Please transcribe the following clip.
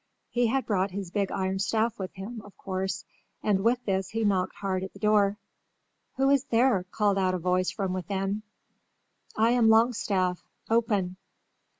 He had brought his big iron staff with him, of course, and with this he knocked hard at the door. "Who is there?" called out a voice from within. "I am Longstaff." "Open."